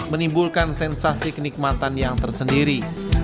menimbulkan sensasi kenikmatan yang tersendiri